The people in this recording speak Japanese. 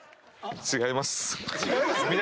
違います。